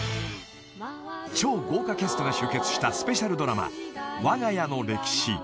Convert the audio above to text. ［超豪華キャストが集結したスペシャルドラマ］